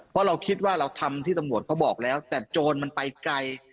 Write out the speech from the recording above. เพราะเราคิดว่าเราทำที่ตำรวจเขาบอกแล้วแต่โจรมันไปไกล